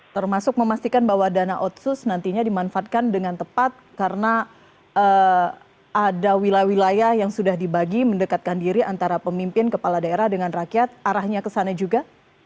termasuk memastikan bahwa dana otsus nantinya dimanfaatkan dengan tepat karena ada wilayah wilayah yang sudah dibagi mendekatkan diri antara pemimpin kepala daerah dengan rakyat arahnya ke sana juga